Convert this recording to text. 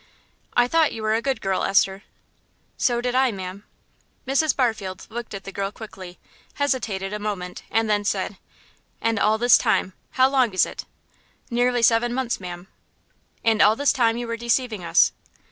"I thought you were a good girl, Esther." "So did I, ma'am." Mrs. Barfield looked at the girl quickly, hesitated a moment, and then said "And all this time how long is it?" "Nearly seven months, ma'am." "And all this time you were deceiving us."